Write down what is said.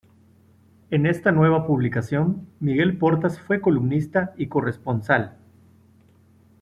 En esta nueva publicación, Miguel Portas fue columnista y corresponsal.